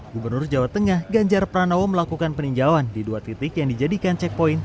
gubernur jawa tengah ganjar pranowo melakukan peninjauan di dua titik yang dijadikan checkpoint